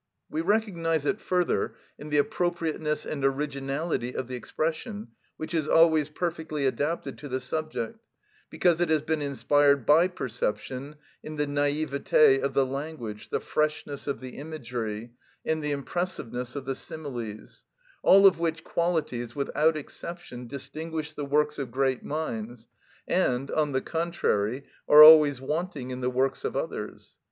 We recognise it further in the appropriateness and originality of the expression, which is always perfectly adapted to the subject because it has been inspired by perception, in the naivete of the language, the freshness of the imagery, and the impressiveness of the similes, all of which qualities, without exception, distinguish the works of great minds, and, on the contrary, are always wanting in the works of others.